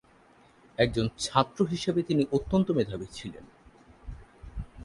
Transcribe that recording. একজন ছাত্র হিসাবে তিনি অত্যন্ত মেধাবী ছিলেন।